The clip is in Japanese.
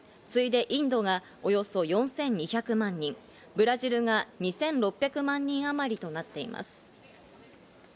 次いでインドがおよそ４２００万人、ブラジルが２６００万人あまりとなっています。